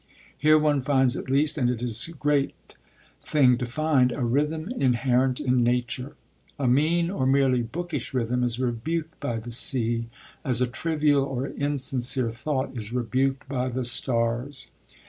Here one finds, at least, and it is a great thing to find, a rhythm inherent in nature. A mean, or merely bookish, rhythm is rebuked by the sea, as a trivial or insincere thought is rebuked by the stars.